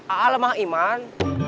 a lemah iman